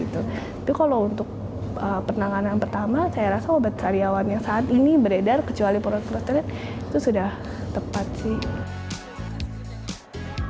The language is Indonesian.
tapi kalau untuk penanganan pertama saya rasa obat karyawan yang saat ini beredar kecuali porot potret itu sudah tepat sih